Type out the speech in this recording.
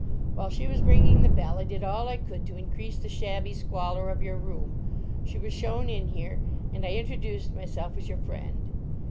While she was ringing the bell I did all I could to increase the shabby squalor of your room. She was shown in here, and I introduced myself as your friend.